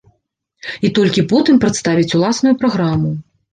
І толькі потым прадставіць уласную праграму.